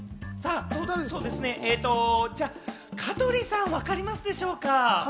香取さん、分かりますでしょうか？